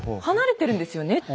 離れてるんですよね。